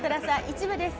一部です。